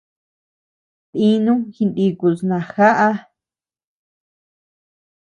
Dinu jinikus najaʼa.